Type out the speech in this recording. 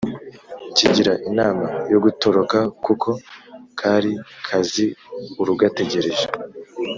Kigira inama yo gutoroka kuko kari kazi urugategereje